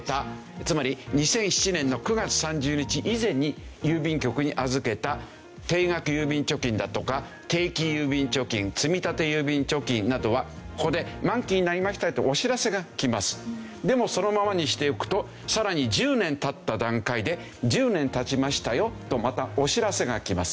つまり２００７年の９月３０日以前に郵便局に預けた定額郵便貯金だとか定期郵便貯金積立郵便貯金などはここででもそのままにしておくとさらに１０年経った段階で１０年経ちましたよとまたお知らせが来ます。